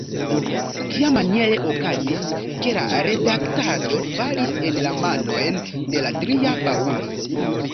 Tiamaniere okazis, ke la redaktado falis en la manojn de la tria Paŭlo!